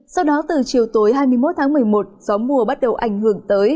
sau đó từ chiều tối hai mươi một tháng một mươi một gió mùa bắt đầu ảnh hưởng tới